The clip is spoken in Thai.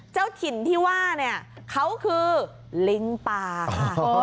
เจ้าถิ่นที่ว่าเนี่ยเขาคือลิงป่าค่ะ